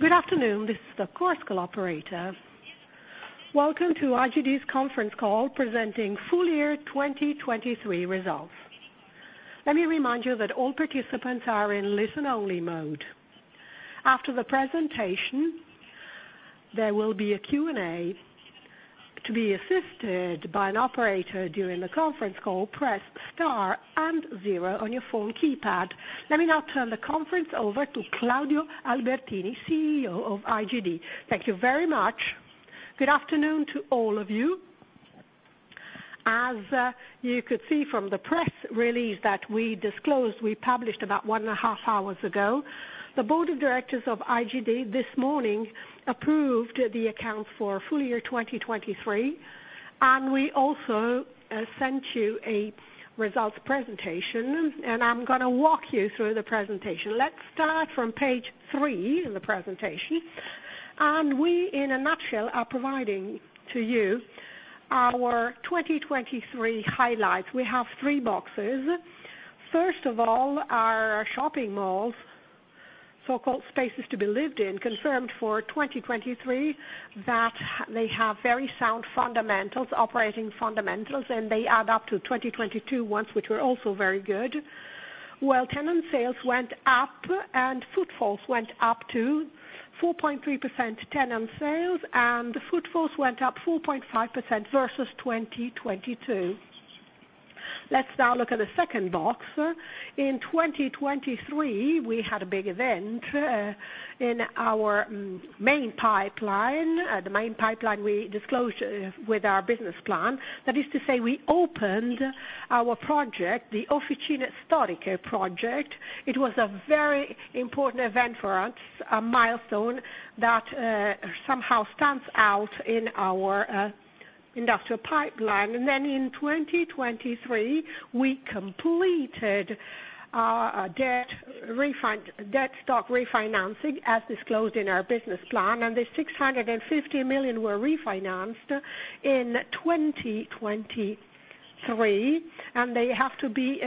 Good afternoon, this is the conference call operator. Welcome to IGD's conference call, presenting full year 2023 results. Let me remind you that all participants are in listen only mode. After the presentation, there will be a Q&A. To be assisted by an operator during the conference call, press star and zero on your phone keypad. Let me now turn the conference over to Claudio Albertini, Chief Executive Officer Thank you very much. Good afternoon to all of you. As you could see from the press release that we disclosed, we published about one and a half hours ago. The board of directors of IGD this morning approved the account for full year 2023, and we also sent you a results presentation, and I'm gonna walk you through the presentation. Let's start from page three in the presentation, and we, in a nutshell, are providing to you our 2023 highlights. We have three boxes. First of all, our shopping malls, so-called spaces to be lived in, confirmed for 2023, that they have very sound fundamentals, operating fundamentals, and they add up to 2022 ones, which were also very good. While tenant sales went up and footfalls went up to 4.3% tenant sales, and the footfalls went up 4.5% versus 2022. Let's now look at the second box. In 2023, we had a big event, in our main pipeline. The main pipeline we disclosed with our business plan. That is to say, we opened our project, the Officine Storiche project. It was a very important event for us, a milestone that, somehow stands out in our, industrial pipeline. Then in 2023, we completed our debt stock refinancing, as disclosed in our business plan. The 650 million were refinanced in 2023, and they have to be,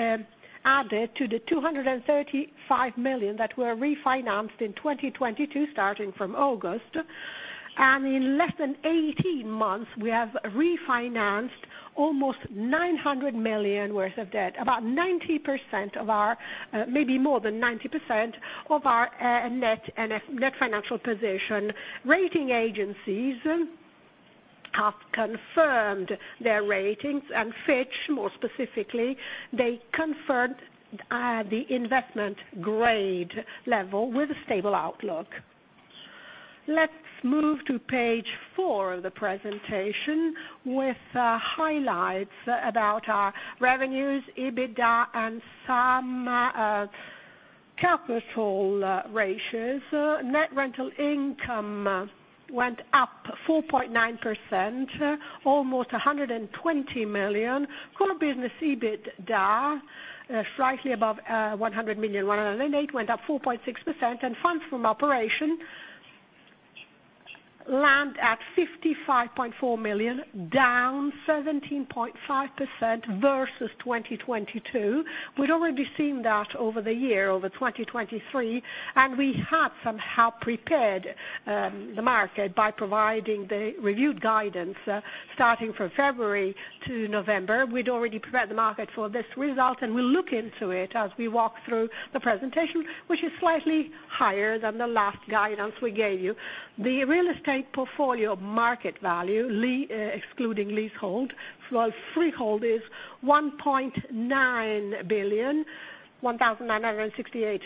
added to the 235 million that were refinanced in 2022, starting from August. In less than 18 months, we have refinanced almost 900 million worth of debt. About 90% of our, maybe more than 90% of our, net financial position. Rating agencies have confirmed their ratings, and Fitch, more specifically, they confirmed, the investment grade level with a stable outlook. Let's move to page four of the presentation with highlights about our revenues, EBITDA and some capital ratios. Net rental income went up 4.9%, almost 120 million. Core business EBITDA slightly above 100 million, 108, went up 4.6%. And funds from operation landed at 55.4 million, down 17.5% versus 2022. We'd already seen that over the year, over 2023, and we had somehow prepared the market by providing the reviewed guidance starting from February to November. We'd already prepared the market for this result, and we'll look into it as we walk through the presentation, which is slightly higher than the last guidance we gave you. The real estate portfolio market value, excluding leasehold, while freehold is 1.9 billion, 1,968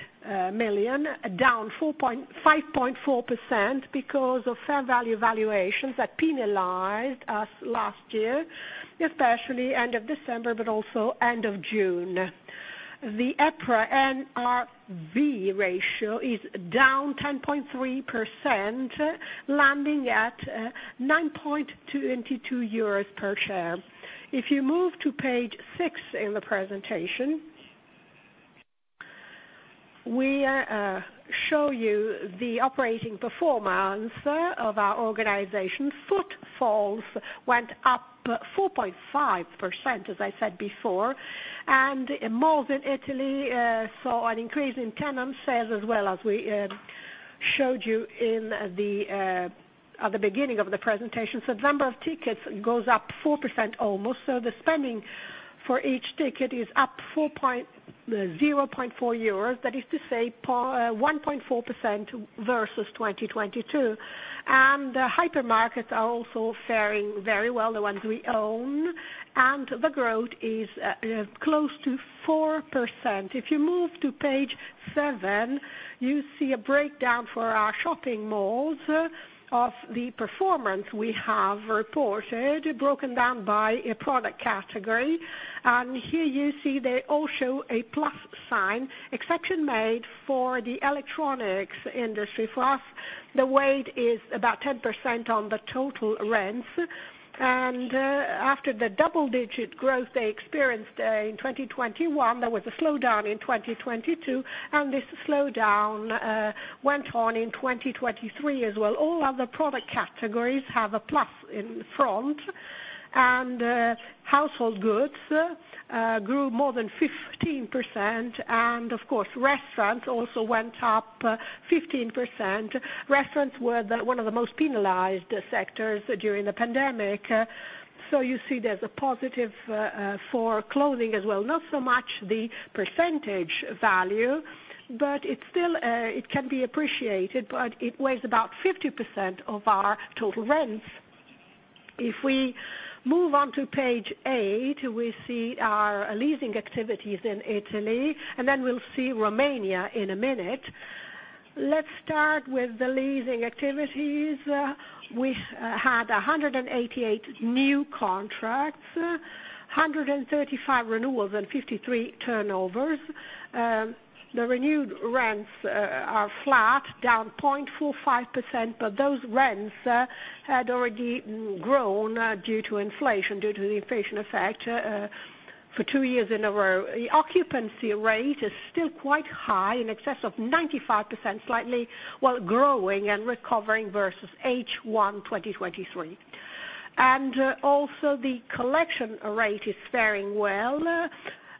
million, down 5.4% because of fair value valuations that penalized us last year, especially end of December, but also end of June. The EPRA NRV ratio is down 10.3%, landing at 9.22 euros per share. If you move to page 6 in the presentation, we show you the operating performance of our organization. Footfalls went up 4.5%, as I said before, and malls in Italy saw an increase in tenant sales as well as we showed you in the at the beginning of the presentation. So the number of tickets goes up 4%, almost. So the spending for each ticket is up 0.4 euros. That is to say, 1.4% versus 2022. And the hypermarkets are also faring very well, the ones we own, and the growth is close to 4%. If you move to page seven, you see a breakdown for our shopping malls of the performance we have reported, broken down by a product category. And here you see they all show a plus sign, exception made for the electronics industry. For us, the weight is about 10% on the total rents, and after the double-digit growth they experienced in 2021, there was a slowdown in 2022, and this slowdown went on in 2023 as well. All other product categories have a plus in front. And household goods grew more than 15%, and of course, restaurants also went up 15%. Restaurants were the, one of the most penalized sectors during the pandemic. So you see there's a positive, for clothing as well, not so much the percentage value, but it's still, it can be appreciated, but it weighs about 50% of our total rents. If we move on to page 8, we see our leasing activities in Italy, and then we'll see Romania in a minute. Let's start with the leasing activities. We, had 188 new contracts, 135 renewals, and 53 turnovers. The renewed rents, are flat, down 0.45%, but those rents, had already grown, due to inflation, due to the inflation effect, for two years in a row. The occupancy rate is still quite high, in excess of 95%, slightly, well, growing and recovering versus H1 2023. Also the collection rate is faring well,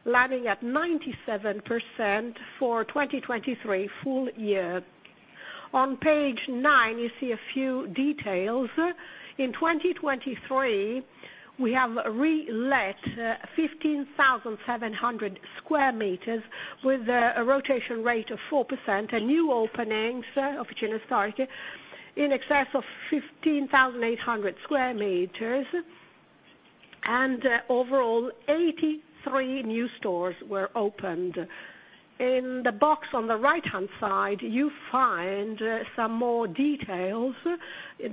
landing at 97% for 2023 full year. On page 9, you see a few details. In 2023, we have re-let 15,700 square meters with a rotation rate of 4%, and new openings, Officine Storiche, in excess of 15,800 square meters, and overall 83 new stores were opened. In the box on the right-hand side, you find some more details.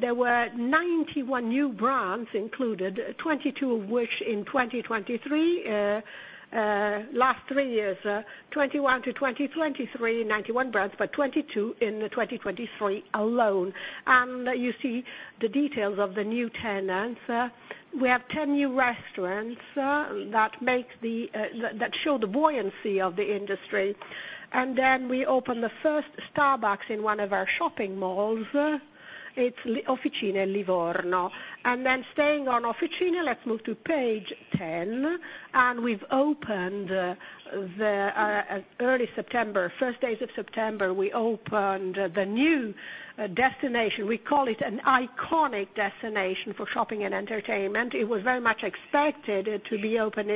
There were 91 new brands included, 22 of which in 2023. Last three years, 2021 to 2023, 91 brands, but 22 in 2023 alone. And you see the details of the new tenants. We have 10 new restaurants that show the buoyancy of the industry. And then we opened the first Starbucks in one of our shopping malls. It's Officine Livorno. And then staying on Officine, let's move to page 10. And we've opened early September, first days of September, we opened the new destination. We call it an iconic destination for shopping and entertainment. It was very much expected it to be open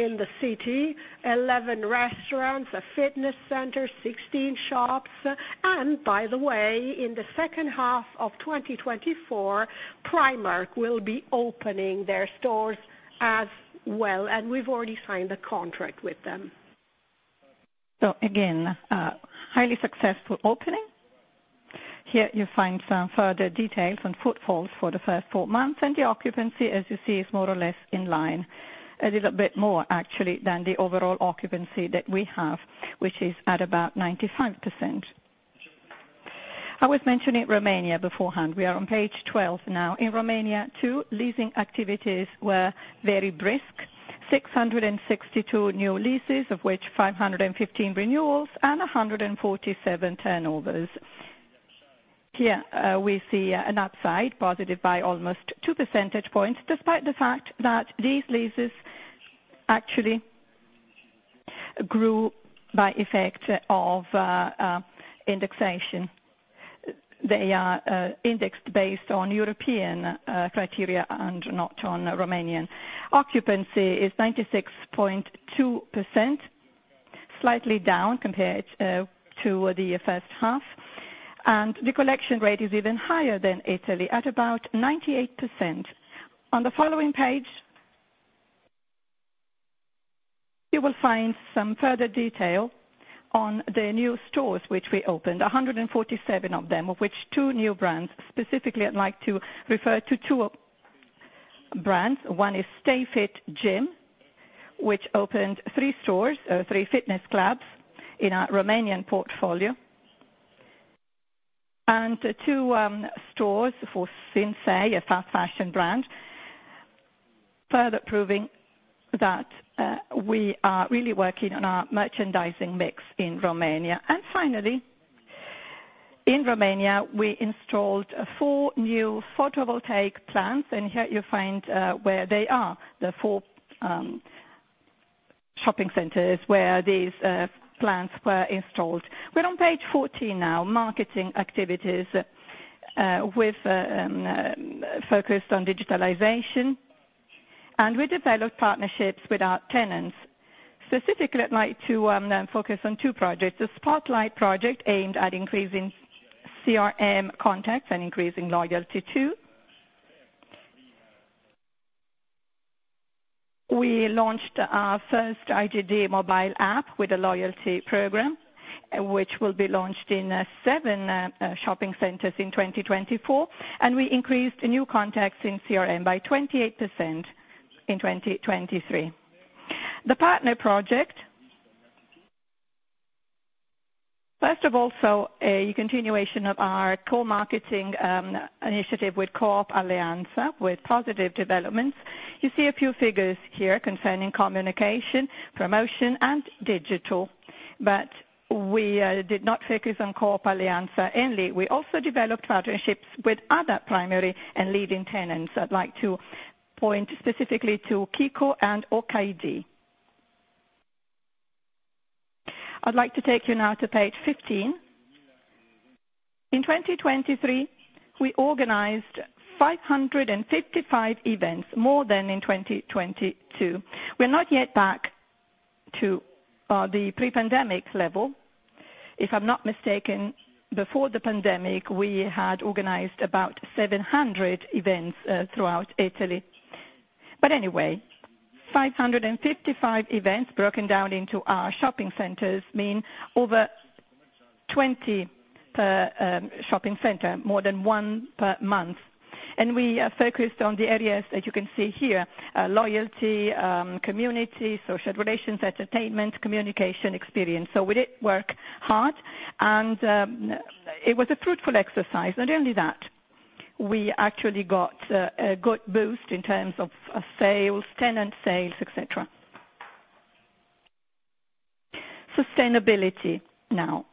in the city. 11 restaurants, a fitness center, 16 shops, and by the way, in the second half of 2024, Primark will be opening their stores as well, and we've already signed a contract with them. So again, a highly successful opening? Here you'll find some further details on footfalls for the first four months, and the occupancy, as you see, is more or less in line. A little bit more actually than the overall occupancy that we have, which is at about 95%. I was mentioning Romania beforehand. We are on page 12 now. In Romania, two leasing activities were very brisk. 662 new leases, of which 515 renewals and 147 turnovers. Here, we see an upside, positive by almost two percentage points, despite the fact that these leases actually grew by effect of indexation. They are indexed based on European criteria and not on Romanian. Occupancy is 96.2%, slightly down compared to the first half, and the collection rate is even higher than Italy, at about 98%. On the following page, you will find some further detail on the new stores which we opened, 147 of them, of which two new brands. Specifically, I'd like to refer to two brands. One is Stay Fit Gym, which opened three stores, three fitness clubs in our Romanian portfolio, and two stores for Sinsay, a fast fashion brand, further proving that, we are really working on our merchandising mix in Romania. And finally, in Romania, we installed four new photovoltaic plants, and here you find, where they are, the four, shopping centers where these, plants were installed. We're on page 14 now, marketing activities, with, focused on digitalization, and we developed partnerships with our tenants. Specifically, I'd like to, focus on two projects. The Spotlight project, aimed at increasing CRM contacts and increasing loyalty, too. We launched our first IGD mobile app with a loyalty program, which will be launched in seven shopping centers in 2024, and we increased new contacts in CRM by 28% in 2023. The partner project... First of all, so a continuation of our co-marketing initiative with Coop Alleanza, with positive developments. You see a few figures here concerning communication, promotion, and digital. but we did not focus on Coop Alleanza only. We also developed partnerships with other primary and leading tenants. I'd like to point specifically to Kiko and Okaïdi. I'd like to take you now to page 15. In 2023, we organized 555 events, more than in 2022. We're not yet back to the pre-pandemic level. If I'm not mistaken, before the pandemic, we had organized about 700 events throughout Italy. But anyway, 555 events broken down into our shopping centers mean over 20 per shopping center, more than 1 per month. And we are focused on the areas that you can see here, loyalty, community, social relations, entertainment, communication, experience. So we did work hard, and it was a fruitful exercise. Not only that, we actually got a good boost in terms of sales, tenant sales, et cetera. Sustainability now.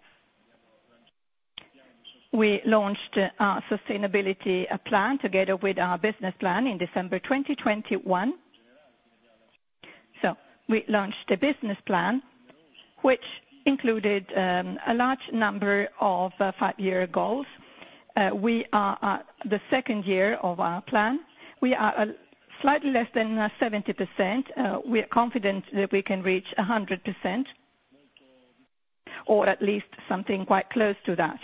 We launched our sustainability plan together with our business plan in December 2021. So we launched a business plan which included a large number of five-year goals. We are at the second year of our plan. We are slightly less than 70%. We are confident that we can reach 100%, or at least something quite close to that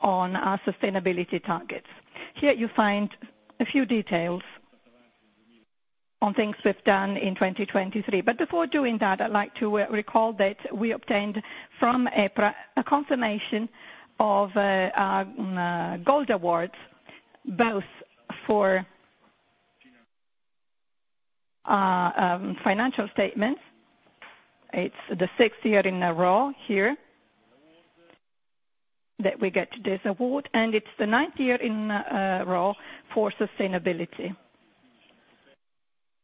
on our sustainability targets. Here you find a few details on things we've done in 2023. But before doing that, I'd like to recall that we obtained from EPRA a confirmation of our gold awards, both for financial statements. It's the sixth year in a row here that we get this award, and it's the ninth year in a row for sustainability.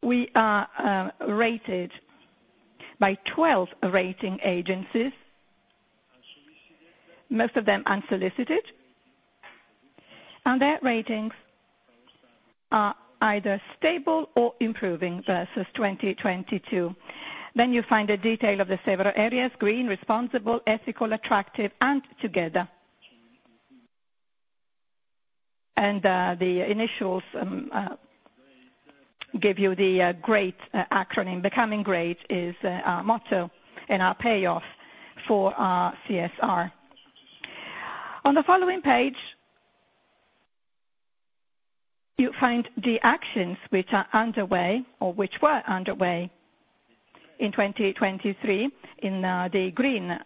We are rated by 12 rating agencies, most of them unsolicited, and their ratings are either stable or improving versus 2022. Then you find the detail of the several areas: green, responsible, ethical, attractive, and together. And the initials give you the GREAT acronym. Becoming GREAT is our motto and our payoff for our CSR. On the following page, you'll find the actions which are underway or which were underway in 2023 in the green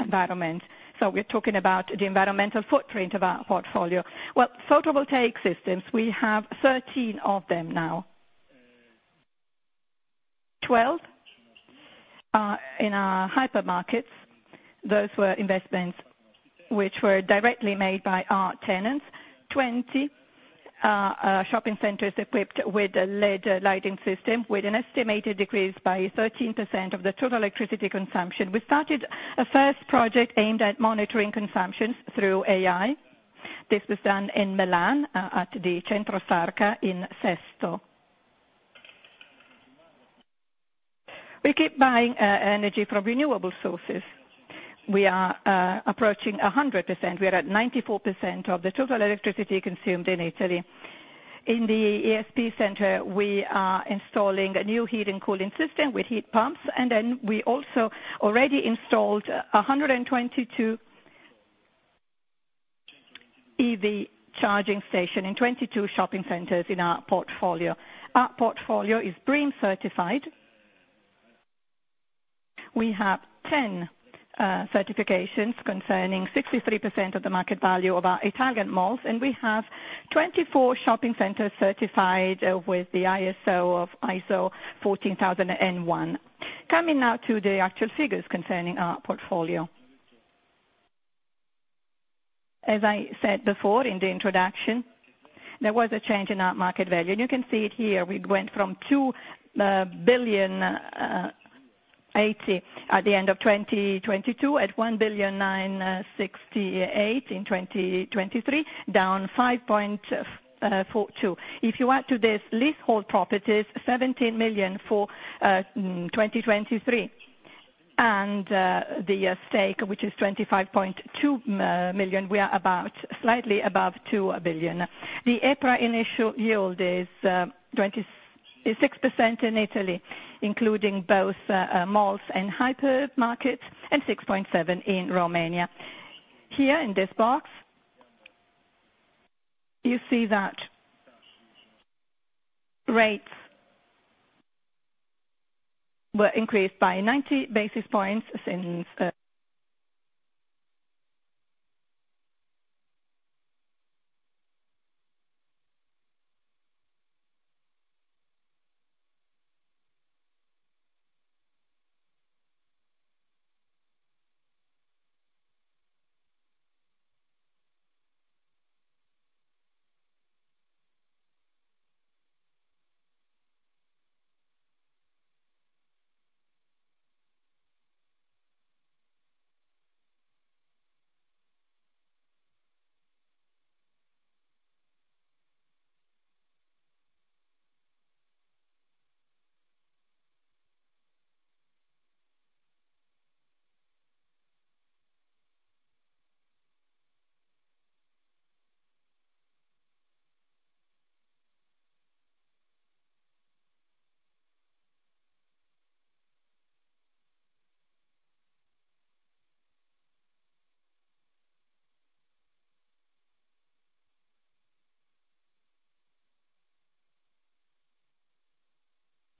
environment. So we're talking about the environmental footprint of our portfolio. Well, photovoltaic systems, we have 13 of them now. 12 in our hypermarkets. Those were investments which were directly made by our tenants. 20 shopping centers equipped with a LED lighting system, with an estimated decrease by 13% of the total electricity consumption. We started a first project aimed at monitoring consumptions through AI. This was done in Milan, at the Centro Sarca in Sesto. We keep buying energy from renewable sources. We are approaching 100%. We are at 94% of the total electricity consumed in Italy. In the ESP center, we are installing a new heat and cooling system with heat pumps, and then we also already installed 122 EV charging station in 22 shopping centers in our portfolio. Our portfolio is BREEAM certified. We have 10 certifications concerning 63% of the market value of our Italian malls, and we have 24 shopping centers certified with the ISO 14001. Coming now to the actual figures concerning our portfolio. As I said before in the introduction, there was a change in our market value, and you can see it here. We went from 2.08 billion at the end of 2022, at 1.968 billion in 2023, down 5.42%. If you add to this leasehold properties, 17 million for 2023, and the stake, which is 25.2 million, we are about slightly above 2 billion. The EPRA initial yield is 26% in Italy, including both malls and hypermarkets, and 6.7% in Romania. Here in this box, you see that rates were increased by 90 basis points since.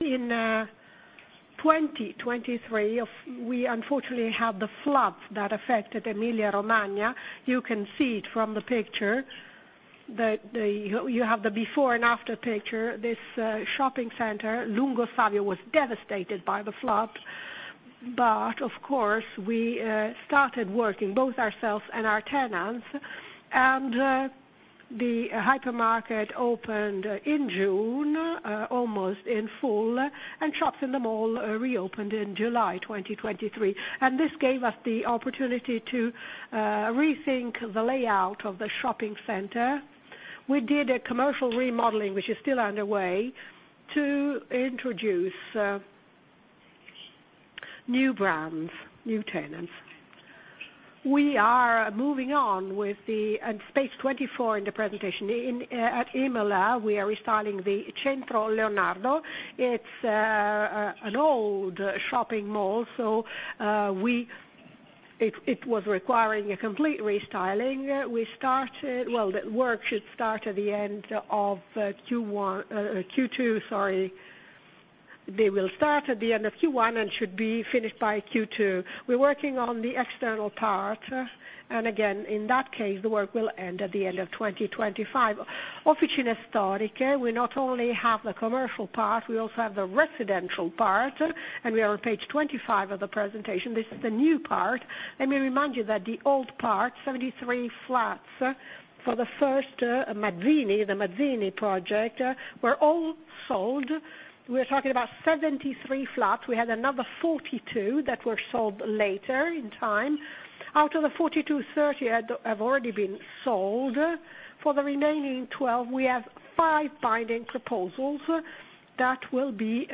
In 2023, we unfortunately had the flood that affected Emilia-Romagna. You can see it from the picture, that you have the before and after picture. This shopping center, Lungo Savio, was devastated by the flood. But of course, we started working, both ourselves and our tenants, and the hypermarket opened in June 2023 almost in full, and shops in the mall reopened in July 2023. And this gave us the opportunity to rethink the layout of the shopping center. We did a commercial remodeling, which is still underway, to introduce new brands, new tenants. We are moving on with the and page 24 in the presentation. At Imola, we are restarting the Centro Leonardo. It's an old shopping mall, so it was requiring a complete restyling. We started... Well, the work should start at the end of Q1, Q2, sorry. They will start at the end of Q1 and should be finished by Q2. We're working on the external part, and again, in that case, the work will end at the end of 2025. Officine Storiche, we not only have the commercial part, we also have the residential part, and we are on page 25 of the presentation. This is the new part. Let me remind you that the old part, 73 flats, for the first Mazzini, the Mazzini project, were all sold. We're talking about 73 flats. We had another 42 that were sold later in time. Out of the 42, 30 had, have already been sold. For the remaining 12, we have five binding proposals that will be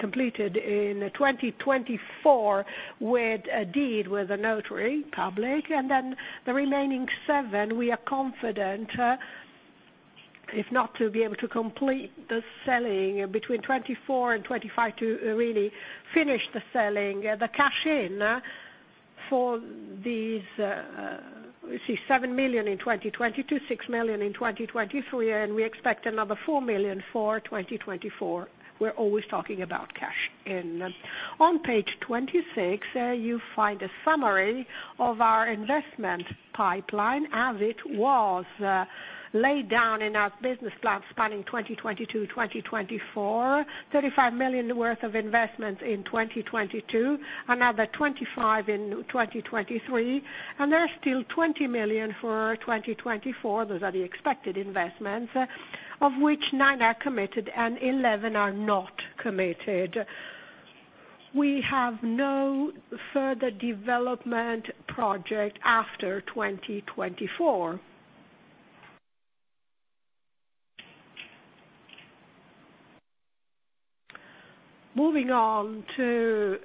completed in 2024, with a deed with a notary public. Then the remaining seven, we are confident, if not to be able to complete the selling between 2024 and 2025, to really finish the selling, the cash-in for these, let's see, 7 million in 2022, 6 million in 2023, and we expect another 4 million for 2024. We're always talking about cash-in. On page 26, you find a summary of our investment pipeline as it was laid down in our business plan spanning 2022, 2024. 35 million worth of investment in 2022, another 25 in 2023, and there are still 20 million for 2024. Those are the expected investments, of which nine are committed and 11 are not committed. We have no further development project after 2024. Moving on to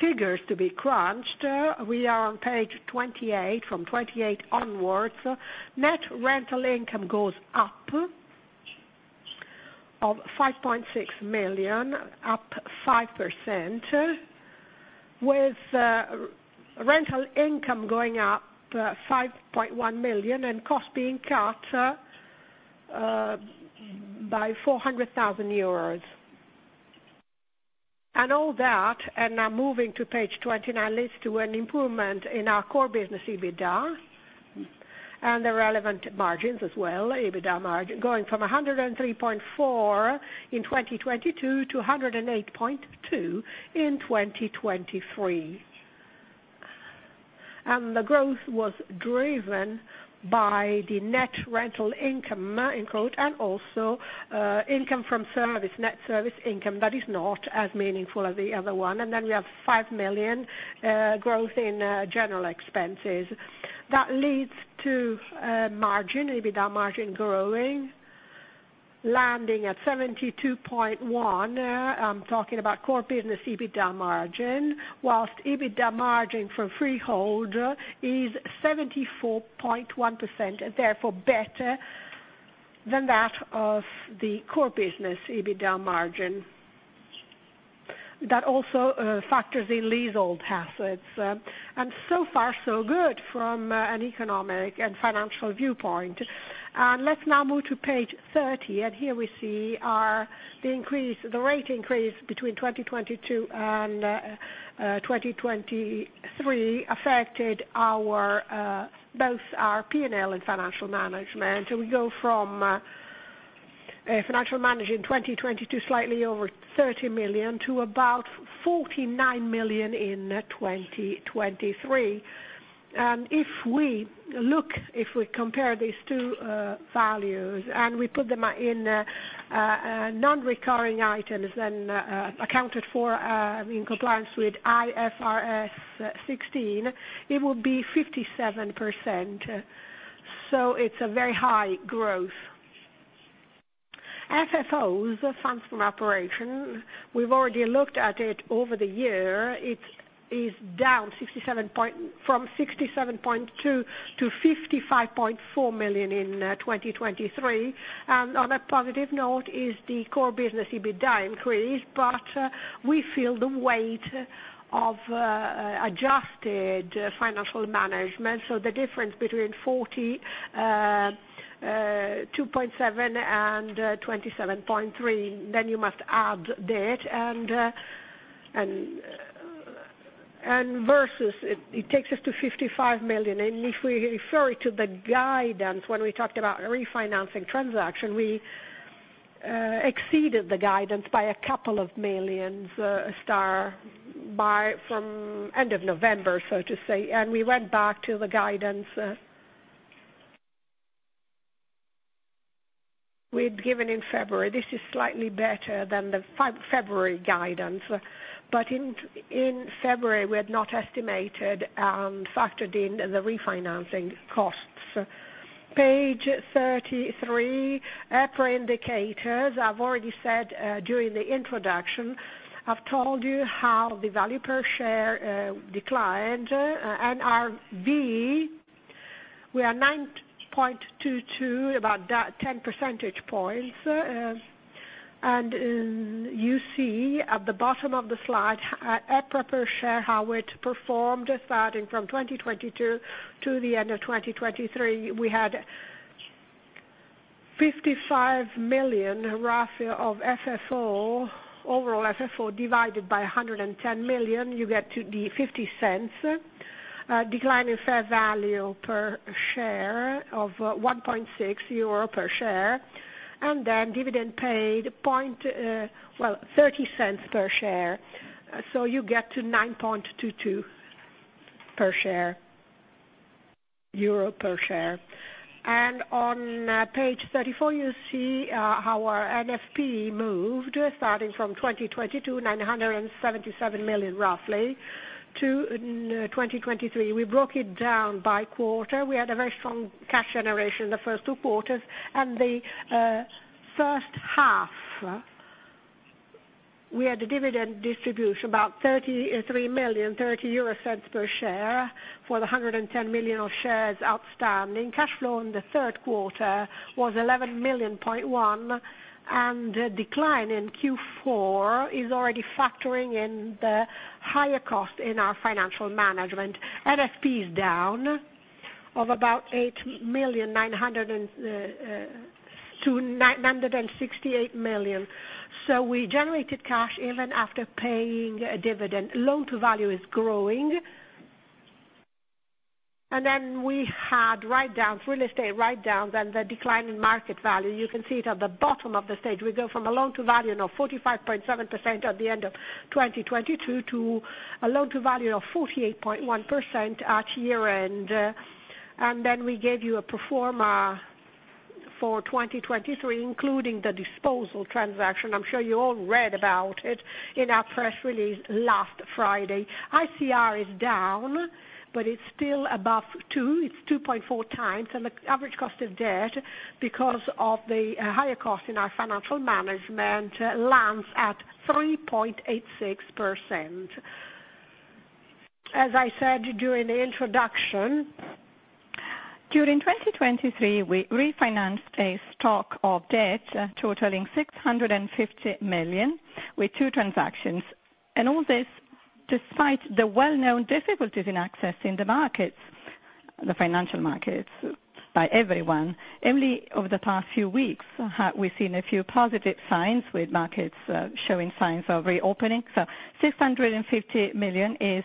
figures to be crunched. We are on page 28. From 28 onwards, net rental income goes up of 5.6 million, up 5%, with rental income going up 5.1 million, and costs being cut by 400 thousand euros. And all that, and now moving to page 29, leads to an improvement in our core business EBITDA and the relevant margins as well. EBITDA margin going from 103.4 in 2022 to 108.2 in 2023. The growth was driven by the net rental income in quote, and also, income from service, net service income that is not as meaningful as the other one. Then we have 5 million growth in general expenses. That leads to a margin, EBITDA margin growing, landing at 72.1. I'm talking about core business EBITDA margin, whilst EBITDA margin for freehold is 74.1%, and therefore better than that of the core business EBITDA margin. That also factors in leasehold assets. And so far, so good from an economic and financial viewpoint. Let's now move to page 30, and here we see our, the increase, the rate increase between 2022 and 2023 affected our both our P&L and financial management. So we go from financial management in 2022, slightly over 30 million to about 49 million in 2023. If we look, if we compare these two values and we put them in non-recurring items, then accounted for in compliance with IFRS 16, it will be 57%. So it's a very high growth. FFO, the Funds From Operations, we've already looked at it over the year. It is down from 67.2 million-55.4 million in 2023. And on a positive note is the core business, EBITDA increase, but we feel the weight of adjusted financial management. So the difference between 42.7 and 27.3, then you must add debt, and versus it, it takes us to 55 million. If we refer to the guidance, when we talked about a refinancing transaction, we exceeded the guidance by a couple of millions, starting from end of November, so to say. We went back to the guidance we'd given in February. This is slightly better than the February guidance, but in February, we had not estimated and factored in the refinancing costs. Page 33, EPRA indicators. I've already said during the introduction, I've told you how the value per share declined and RV, we are 9.22, about ten percentage points. And you see at the bottom of the slide, EPRA per share, how it performed, starting from 2022 to the end of 2023, we had 55 million, roughly, of FFO, overall FFO, divided by 110 million. You get to the 0.50 EUR decline in fair value per share of 1.6 euro per share, and then dividend paid 0.30 EUR per share. So you get to 9.22 EUR per share. On page 34, you see how our NFP moved, starting from 2022, 977 million, roughly, to 2023. We broke it down by quarter. We had a very strong cash generation in the first two quarters. In the first half, we had a dividend distribution, about 33 million, 0.30 EUR per share, for the 110 million shares outstanding. Cash flow in the third quarter was 11.1 million, and the decline in Q4 is already factoring in the higher cost in our financial management. NFP is down by about 8.9 million to 968 million. So we generated cash even after paying a dividend. Loan to value is growing. And then we had write down, real estate write down, then the decline in market value. You can see it at the bottom of the page. We go from a loan to value of 45.7% at the end of 2022 to a loan to value of 48.1% at year-end. And then we gave you a pro forma for 2023, including the disposal transaction. I'm sure you all read about it in our press release last Friday. ICR is down, but it's still above two. It's 2.4 times, and the average cost of debt, because of the higher cost in our financial management, lands at 3.86%. As I said during the introduction, during 2023, we refinanced a stock of debt totaling 650 million, with two transactions. And all this, despite the well-known difficulties in accessing the markets, the financial markets, by everyone. Only over the past few weeks, have we seen a few positive signs, with markets showing signs of reopening. So 650 million is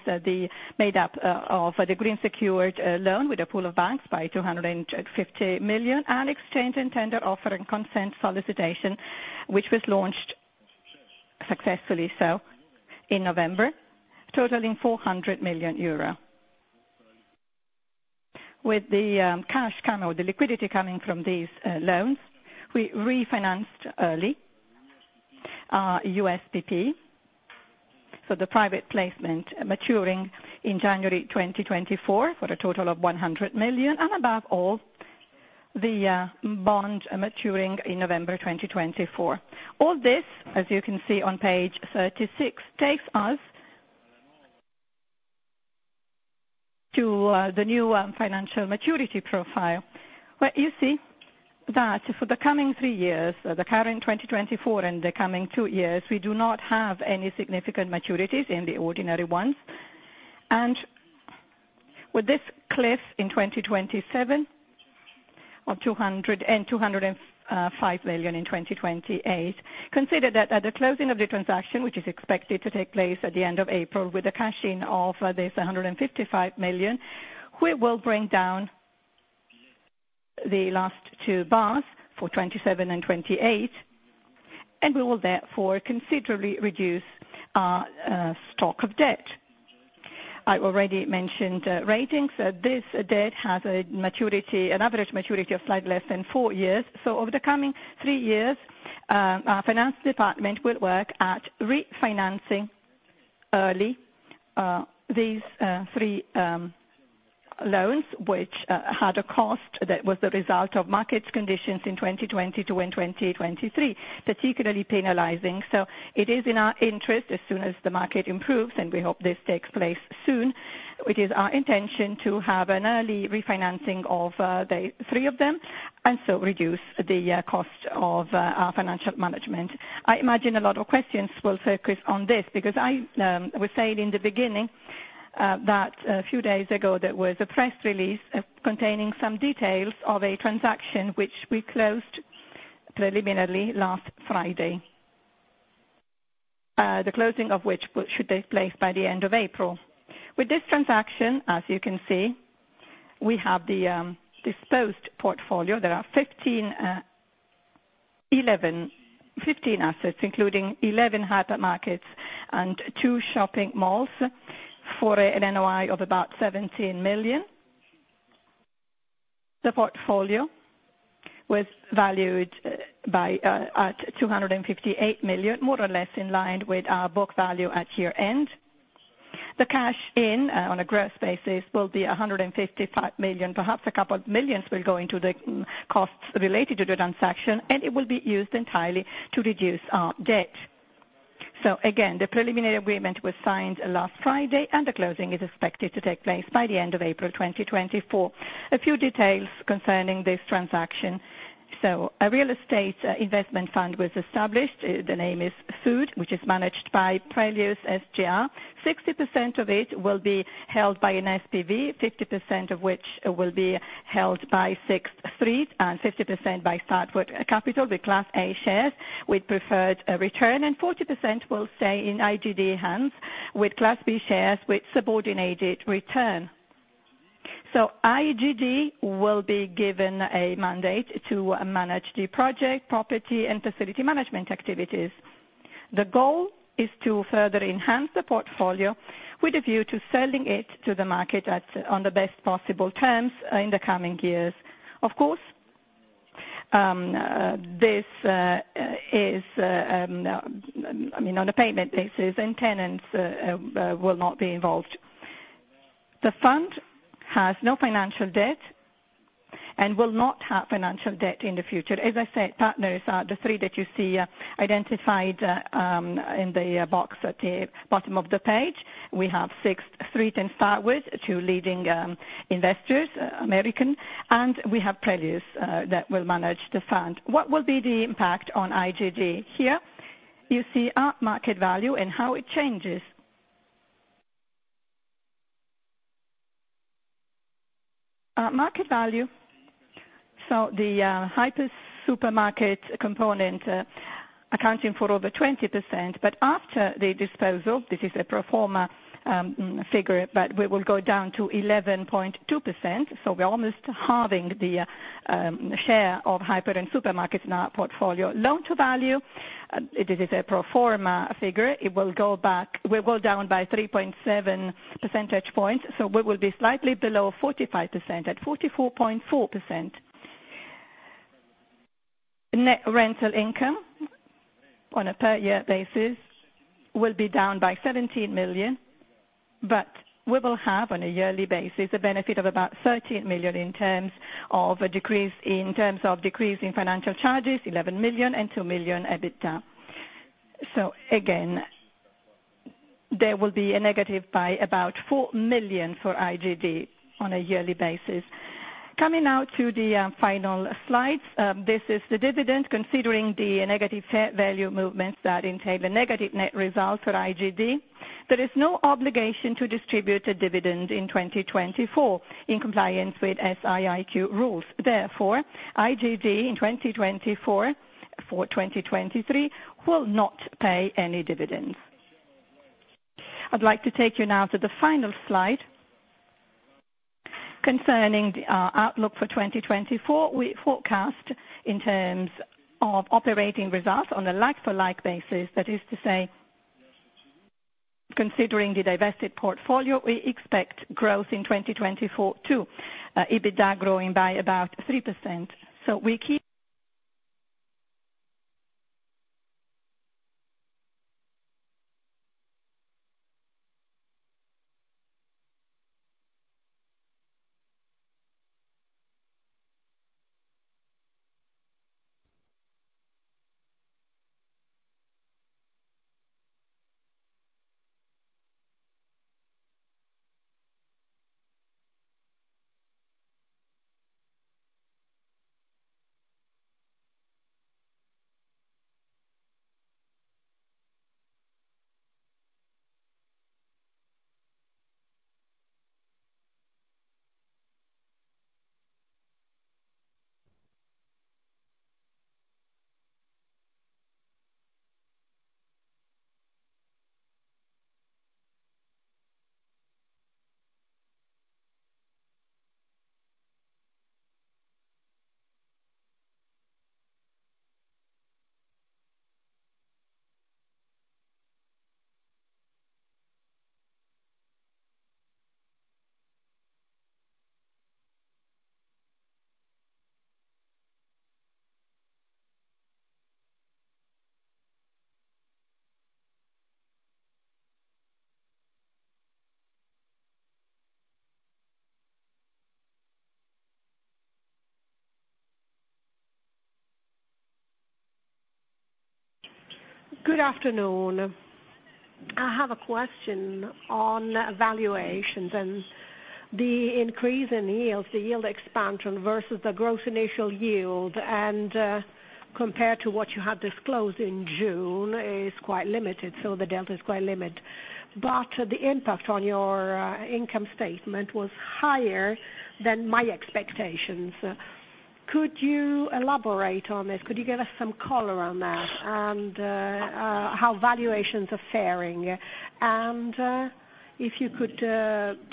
made up of the green secured loan with a pool of banks by 250 million, and exchange and tender offer and consent solicitation, which was launched successfully so in November, totaling 400 million euro. With the cash coming, the liquidity coming from these loans, we refinanced early USPP, so the private placement maturing in January 2024, for a total of 100 million, and above all, the bond maturing in November 2024. All this, as you can see on page 36, takes us to the new financial maturity profile, where you see that for the coming three years, the current 2024 and the coming two years, we do not have any significant maturities in the ordinary ones. With this cliff in 2027 of 225 million in 2028, consider that at the closing of the transaction, which is expected to take place at the end of April, with the cash-in of this 155 million, we will bring down. The last two bars for 2027 and 2028, and we will therefore considerably reduce our stock of debt. I already mentioned ratings. This debt has a maturity, an average maturity of slightly less than four years. So over the coming three years, our finance department will work at refinancing early these three loans, which had a cost that was the result of market conditions in 2022 and 2023, particularly penalizing. So it is in our interest, as soon as the market improves, and we hope this takes place soon, it is our intention to have an early refinancing of the three of them, and so reduce the cost of our financial management. I imagine a lot of questions will focus on this, because I was saying in the beginning that a few days ago, there was a press release containing some details of a transaction which we closed preliminarily last Friday. The closing of which should take place by the end of April. With this transaction, as you can see, we have the disposed portfolio. There are 15 assets, including 11 hypermarkets and 2 shopping malls for an NOI of about 17 million. The portfolio was valued by at 258 million, more or less in line with our book value at year-end. The cash in on a gross basis will be 155 million. Perhaps a couple million will go into the costs related to the transaction, and it will be used entirely to reduce our debt. So again, the preliminary agreement was signed last Friday, and the closing is expected to take place by the end of April 2024. A few details concerning this transaction. So a real estate investment fund was established. The name is FOOD, which is managed by Prelios SGR. 60% of it will be held by an SPV, 50% of which will be held by Sixth Street, and 50% by Starwood Capital, with Class A shares, with preferred return, and 40% will stay in IGD hands with Class B shares, with subordinated return. So IGD will be given a mandate to manage the project, property, and facility management activities. The goal is to further enhance the portfolio with a view to selling it to the market at, on the best possible terms in the coming years. Of course, this is, I mean, on a payment basis, and tenants will not be involved. The fund has no financial debt and will not have financial debt in the future. As I said, partners are the three that you see identified in the box at the bottom of the page. We have Sixth Street and Starwood, two leading investors, American, and we have Prelios that will manage the fund. What will be the impact on IGD? Here you see our market value and how it changes. Market value, so the hyper supermarket component accounting for over 20%, but after the disposal, this is a pro forma figure, but we will go down to 11.2%, so we're almost halving the share of hyper and supermarkets in our portfolio. Loan to Value, it is a pro forma figure. It will go back. It will go down by 3.7 percentage points, so we will be slightly below 45%, at 44.4%. Net rental income on a per year basis will be down by 17 million, but we will have, on a yearly basis, a benefit of about 13 million in terms of a decrease in financial charges, 11 million and 2 million EBITDA. So again, there will be a negative by about 4 million for IGD on a yearly basis. Coming now to the final slides. This is the dividend. Considering the negative fair value movements that entail a negative net result for IGD, there is no obligation to distribute a dividend in 2024, in compliance with SIIQ rules. Therefore, IGD in 2024, for 2023, will not pay any dividends. I'd like to take you now to the final slide concerning the outlook for 2024. We forecast in terms of operating results on a like-for-like basis, that is to say, considering the divested portfolio, we expect growth in 2024 too. EBITDA growing by about 3%. So we keep- Good afternoon. I have a question on valuations and the increase in yields, the yield expansion versus the gross initial yield, and, compared to what you had disclosed in June is quite limited, so the delta is quite limited. But the impact on your, income statement was higher than my expectations. Could you elaborate on this? Could you give us some color on that, and, how valuations are faring? And, if you could,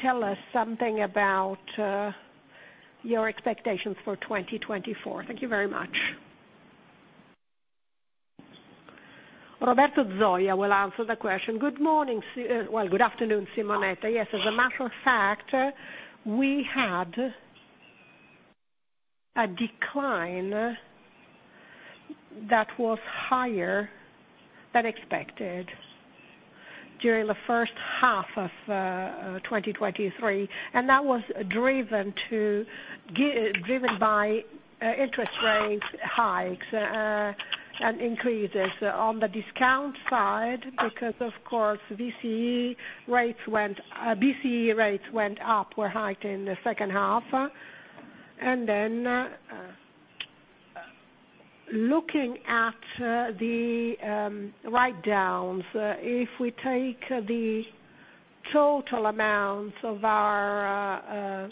tell us something about, your expectations for 2024. Thank you very much. Roberto Zoia will answer the question. Good morning, S- well, good afternoon, Simonetta. Yes, as a matter of fact, we had A decline that was higher than expected during the first half of 2023, and that was driven by interest rate hikes and increases on the discount side, because, of course, BCE rates went up, were high in the second half. And then, looking at the write-downs, if we take the total amount of our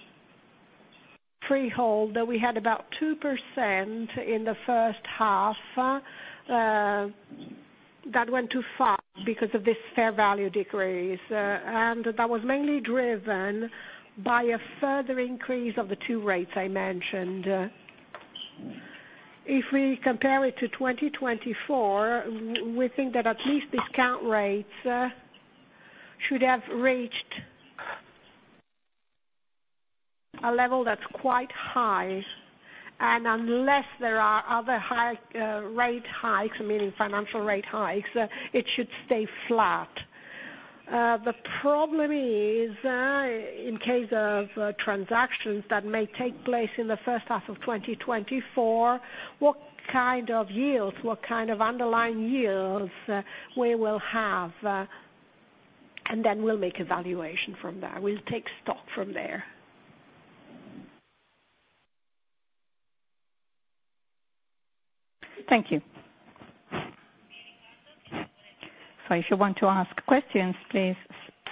freehold, that we had about 2% in the first half, that went too far because of this fair value decrease. And that was mainly driven by a further increase of the two rates I mentioned. If we compare it to 2024, we think that at least discount rates should have reached a level that's quite high, and unless there are other high rate hikes, meaning financial rate hikes, it should stay flat. The problem is, in case of transactions that may take place in the first half of 2024, what kind of yields, what kind of underlying yields, we will have, and then we'll make evaluation from there. We'll take stock from there. Thank you. So if you want to ask questions, please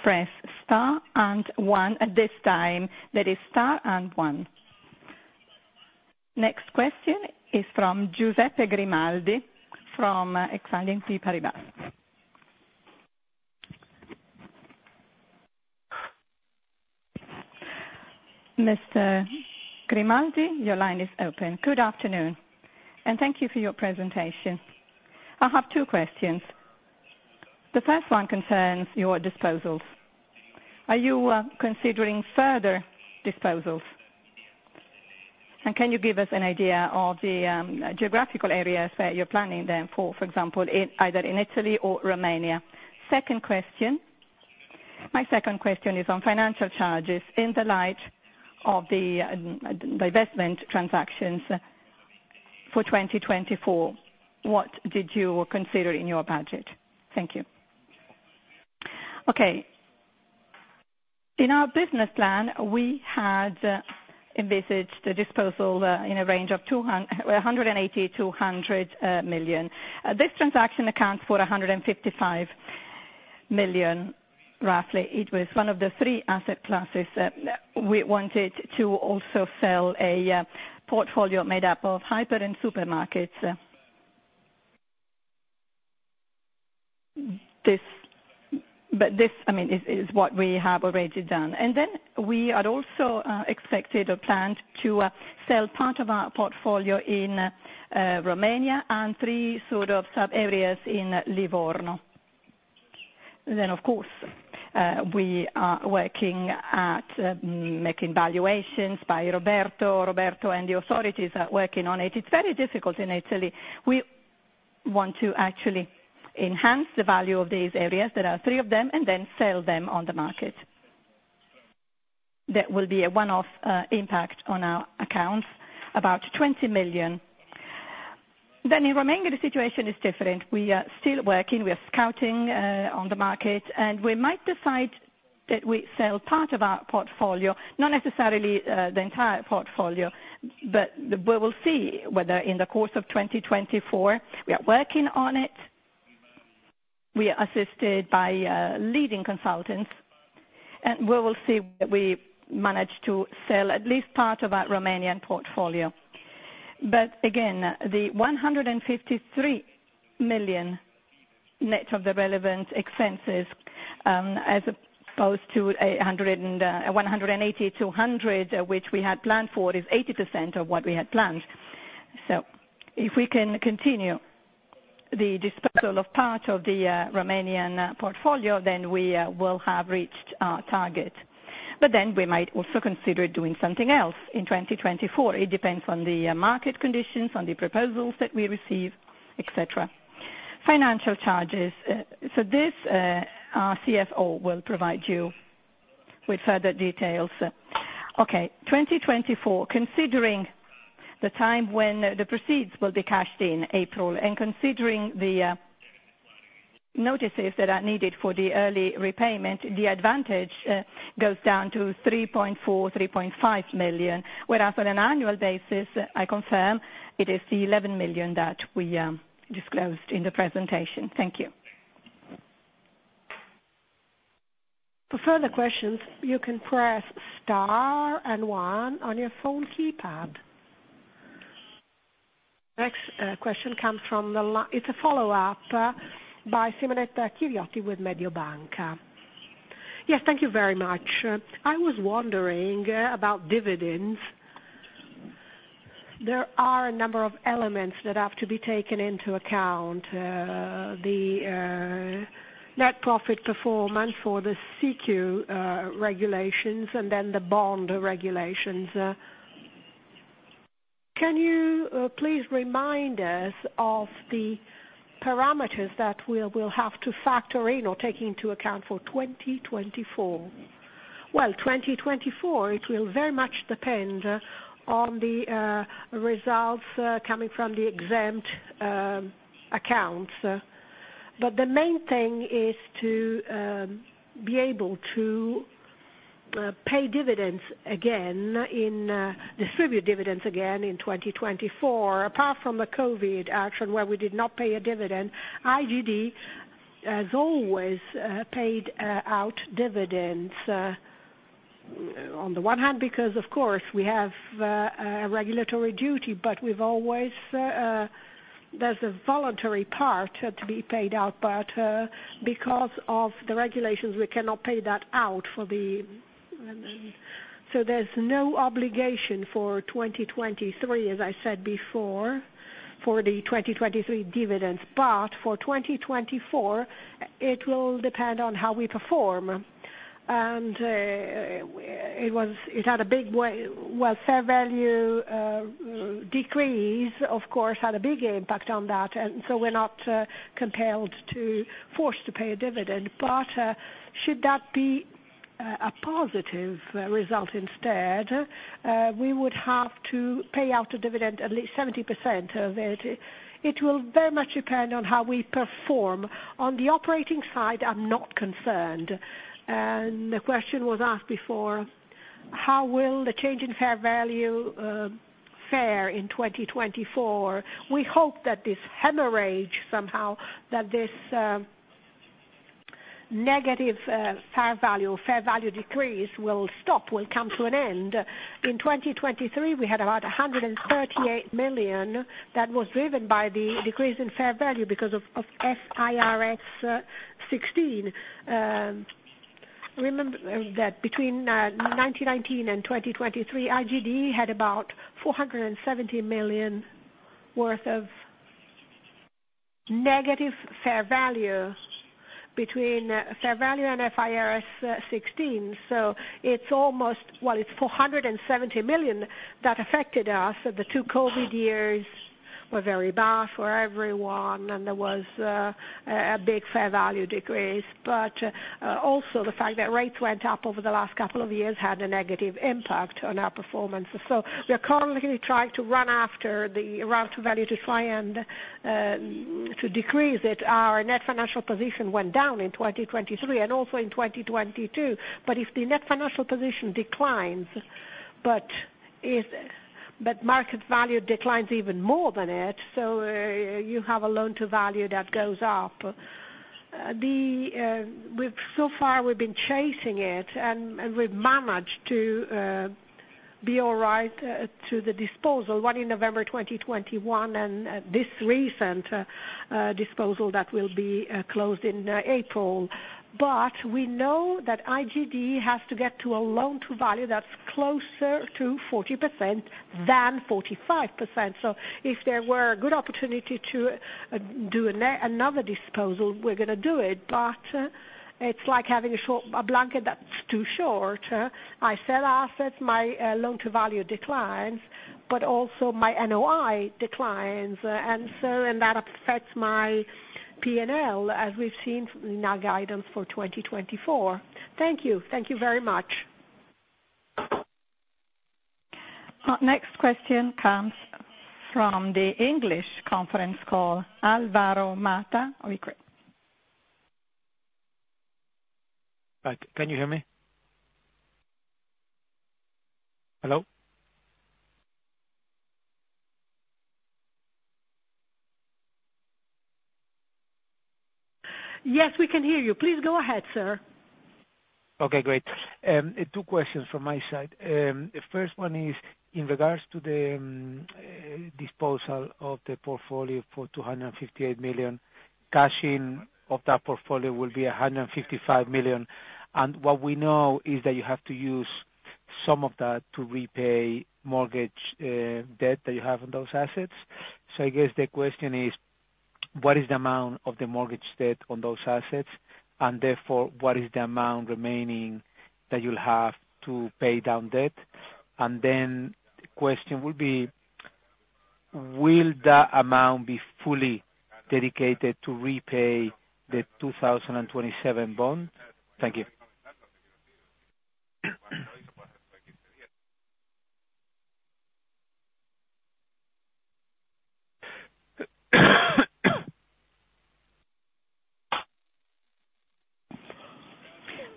press star and one at this time. That is star and one. Next question is from Giuseppe Grimaldi from Exane BNP Paribas. Mr. Grimaldi, your line is open. Good afternoon, and thank you for your presentation. I have two questions. The first one concerns your disposals. Are you considering further disposals? And can you give us an idea of the geographical areas that you're planning them for, for example, in either Italy or Romania? Second question, my second question is on financial charges in the light of the investment transactions for 2024, what did you consider in your budget? Thank you. Okay. In our business plan, we had envisaged the disposal in a range of 180 million-200 million. This transaction accounts for 155 million, roughly. It was one of the three asset classes that we wanted to also sell, a portfolio made up of hyper and supermarkets. This, but this, I mean, is what we have already done. And then we had also expected or planned to sell part of our portfolio in Romania and three sort of sub-areas in Livorno. Then, of course, we are working at making valuations by Roberto. Roberto and the authorities are working on it. It's very difficult in Italy. We want to actually enhance the value of these areas, there are three of them, and then sell them on the market. That will be a one-off impact on our accounts, about 20 million. Then in Romania, the situation is different. We are still working, we are scouting on the market, and we might decide that we sell part of our portfolio, not necessarily the entire portfolio. But we will see whether in the course of 2024, we are working on it, we are assisted by leading consultants, and we will see whether we manage to sell at least part of our Romanian portfolio. But again, the 153 million net of the relevant expenses, as opposed to 180-200, which we had planned for, is 80% of what we had planned. So if we can continue the dispersal of part of the Romanian portfolio, then we will have reached our target. But then we might also consider doing something else in 2024. It depends on the market conditions, on the proposals that we receive, et cetera. Financial charges, so this, our CFO will provide you with further details. Okay, 2024, considering the time when the proceeds will be cashed in April, and considering the notices that are needed for the early repayment, the advantage goes down to 3.4-3.5 million. Whereas on an annual basis, I confirm it is the 11 million that we disclosed in the presentation. Thank you. For further questions, you can press star and one on your phone keypad. Next, question comes from the—it's a follow-up by Simonetta with Mediobanca. Yes, thank you very much. I was wondering about dividends. There are a number of elements that have to be taken into account, the net profit performance for the SIIQ regulations and then the bond regulations. Can you please remind us of the parameters that we'll have to factor in or take into account for 2024? Well, 2024, it will very much depend on the results coming from the exempt accounts. But the main thing is to be able to pay dividends again, distribute dividends again in 2024. Apart from the COVID action, where we did not pay a dividend, IGD has always paid out dividends. On the one hand, because of course, we have a regulatory duty, but we've always, there's a voluntary part to be paid out, but because of the regulations, we cannot pay that out for the... So there's no obligation for 2023, as I said before, for the 2023 dividends. But for 2024, it will depend on how we perform. And it was - it had a big way, well, fair value decrease, of course, had a big impact on that, and so we're not compelled to force to pay a dividend. But should that be a positive result instead, we would have to pay out a dividend, at least 70% of it. It will very much depend on how we perform. On the operating side, I'm not concerned. The question was asked before, how will the change in fair value fare in 2024? We hope that this hemorrhage, somehow, that this negative fair value decrease will stop, will come to an end. In 2023, we had about 138 million that was driven by the decrease in fair value because of IFRS 16. Remember that between 2019 and 2023, IGD had about 470 million worth of negative fair value between fair value and IFRS 16. So it's almost, well, it's 470 million that affected us. The two COVID years were very bad for everyone, and there was a big fair value decrease. But also the fact that rates went up over the last couple of years had a negative impact on our performance. So we are currently trying to run after the loan to value to try and to decrease it. Our net financial position went down in 2023 and also in 2022. But if the net financial position declines, market value declines even more than it, so you have a loan to value that goes up. So far, we've been chasing it, and we've managed to be all right to the disposal, one in November 2021, and this recent disposal that will be closed in April. But we know that IGD has to get to a loan to value that's closer to 40% than 45%. So if there were a good opportunity to do another disposal, we're gonna do it, but it's like having a short blanket that's too short. I sell assets, my loan to value declines, but also my NOI declines. And so that affects my PNL, as we've seen in our guidance for 2024. Thank you. Thank you very much. Our next question comes from the English conference called Alvaro Mata. Hi, can you hear me? Hello? Yes, we can hear you. Please go ahead, sir. Okay, great. Two questions from my side. The first one is in regards to the, disposal of the portfolio for 258 million, cashing of that portfolio will be 155 million, and what we know is that you have to use some of that to repay mortgage, debt that you have on those assets. So I guess the question is, what is the amount of the mortgage debt on those assets? And therefore, what is the amount remaining that you'll have to pay down debt? And then the question will be: will that amount be fully dedicated to repay the 2027 bond? Thank you.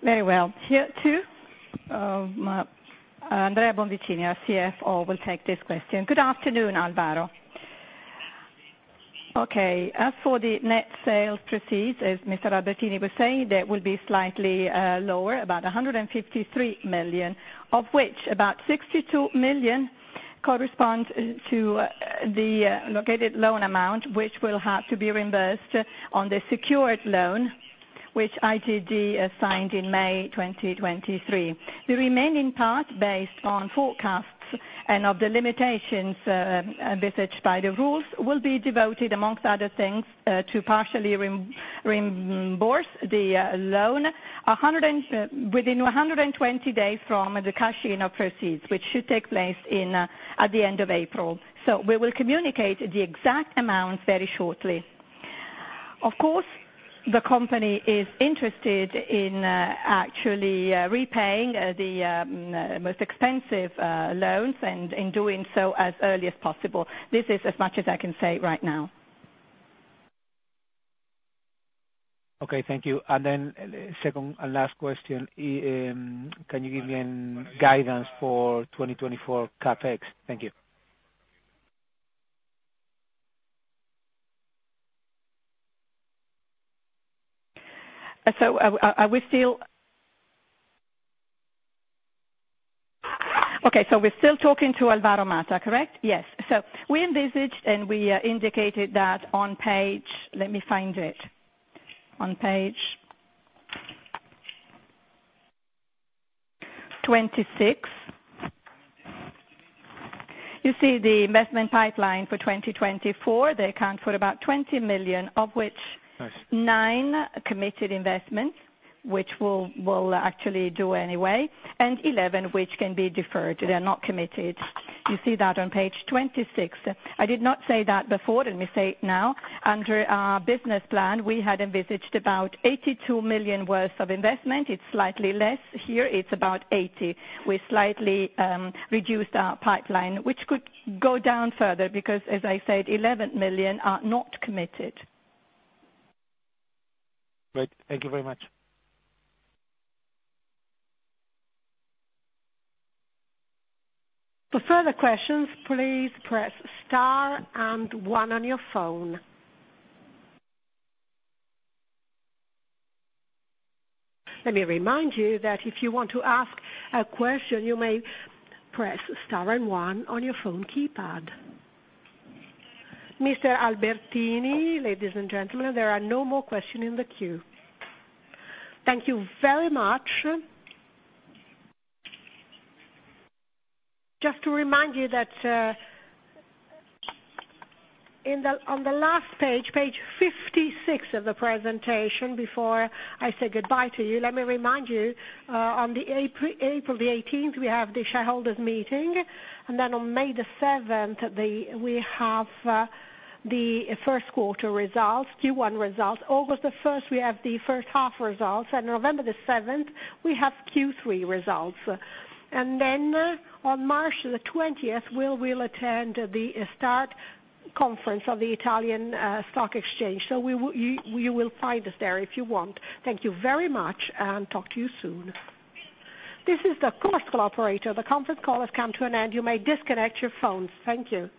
Very well. Here, too, Andrea Bonvicini, our Chief Financial Officer, will take this question. Good afternoon, Alvaro. Okay, as for the net sales proceeds, as Mr. Albertini was saying, that will be slightly lower, about 153 million, of which about 62 million corresponds to the allocated loan amount, which will have to be reimbursed on the secured loan, which IGD signed in May 2023. The remaining part, based on forecasts and of the limitations envisaged by the rules, will be devoted, amongst other things, to partially reimburse the loan. Within 120 days from the cashing of proceeds, which should take place at the end of April. So we will communicate the exact amount very shortly. Of course, the company is interested in actually repaying the most expensive loans, and in doing so, as early as possible. This is as much as I can say right now. Okay, thank you. And then second and last question, can you give me any guidance for 2024 CapEx? Thank you. So are we still... Okay, so we're still talking to Alvaro Mata, correct? Yes. So we envisaged, and we indicated that on page... Let me find it. On page 26, you see the investment pipeline for 2024. They account for about 20 million, of which- Thanks. 9 committed investments, which we'll, we'll actually do anyway, and 11, which can be deferred. They're not committed. You see that on page 26. I did not say that before, let me say it now. Under our business plan, we had envisaged about 82 million worth of investment. It's slightly less here, it's about 80 million. We slightly reduced our pipeline, which could go down further because, as I said, 11 million are not committed. Great. Thank you very much. For further questions, please press star and one on your phone. Let me remind you that if you want to ask a question, you may press star and one on your phone keypad. Mr. Albertini, ladies and gentlemen, there are no more questions in the queue. Thank you very much. Just to remind you that, on the last page, page 56 of the presentation, before I say goodbye to you, let me remind you, on April 18, we have the shareholders' meeting, and then on May 7, we have the first quarter results, Q1 results. August 1, we have the first half results, and November 7, we have Q3 results. And then on March 20, we will attend the STAR Conference of the Italian stock exchange. So, you will find us there if you want. Thank you very much, and talk to you soon. This is the Chorus Call operator. The conference call has come to an end. You may disconnect your phones. Thank you.